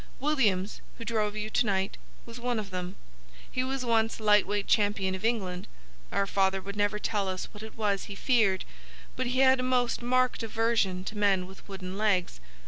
Williams, who drove you to night, was one of them. He was once light weight champion of England. Our father would never tell us what it was he feared, but he had a most marked aversion to men with wooden legs.